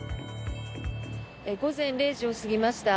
午前０時を過ぎました。